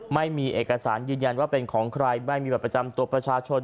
ไม่มีเอกสารยืนยันว่าเป็นของใครไม่มีบัตรประจำตัวประชาชน